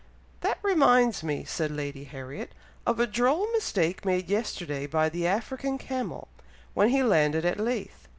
"That reminds me," said Lady Harriet, "of a droll mistake made yesterday by the African camel, when he landed at Leith.